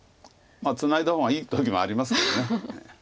ツナいだ方がいい時もありますけど。